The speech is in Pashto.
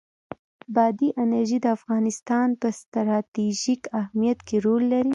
بادي انرژي د افغانستان په ستراتیژیک اهمیت کې رول لري.